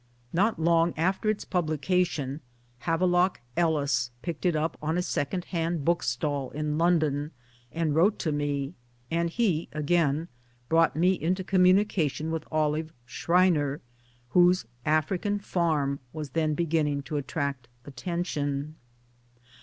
Not long after its publication Have lock Ellis picked it up on a second hand bookstall in London, and wrote to me ; and he again brought me into communication with Olive Schreiner, whose African Farm was then beginning to attract attention.